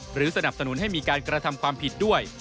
สนับสนุนให้มีการกระทำความผิดด้วย